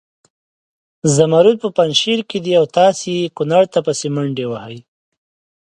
زمرود په پنجشیر کې دي او تاسې کنړ ته پسې منډې وهئ.